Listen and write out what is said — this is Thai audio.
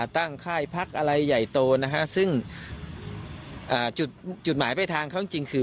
ตั้งค่ายพักอะไรใหญ่โตนะฮะซึ่งอ่าจุดจุดหมายไปทางของจริงคือ